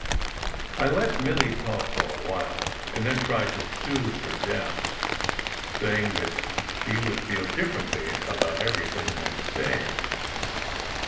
I let Milly talk for a while, and then tried to soothe her down, saying that she would feel differently about everything next day.